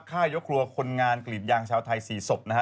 ฆ่ายกครัวคนงานกรีดยางชาวไทย๔ศพนะฮะ